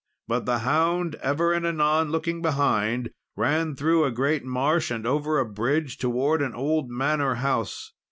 But the hound, ever and anon looking behind, ran through a great marsh, and over a bridge, towards an old manor house.